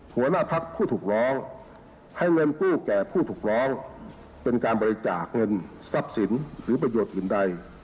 หัวหน้าพักผู้ถูกร้องให้เงินกู้แก่ผู้ถูกร้องเป็นการบริจาคเงินทรัพย์สินหรือประโยชน์อื่นใด